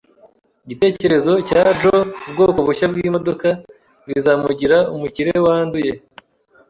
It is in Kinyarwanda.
Igitekerezo cya Joe kubwoko bushya bwimodoka bizamugira umukire wanduye.